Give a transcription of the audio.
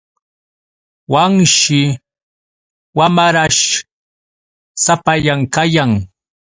Wanshi wamarash sapallan kayan.